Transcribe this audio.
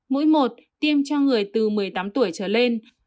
mũi một tiêm cho người từ một mươi tám tuổi trở lên